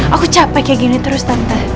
aku capek kayak gini terus tante